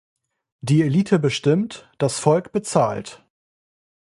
Die Elite bestimmt, das Volk bezahlt.